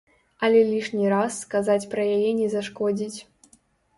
Але лішні раз сказаць пра яе не зашкодзіць.